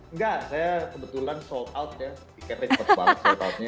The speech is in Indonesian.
enggak saya kebetulan sold out ya